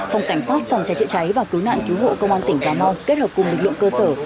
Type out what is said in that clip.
phòng cảnh sát phòng cháy chữa cháy và cứu nạn cứu hộ công an tỉnh cà mau kết hợp cùng lực lượng cơ sở